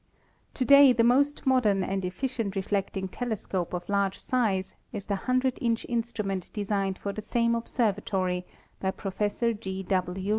To day the most modern and efficient reflecting telescope of large size is the ioo inch instrument designed for the same observatory by Prof. G. W.